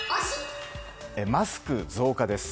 マスク増加です。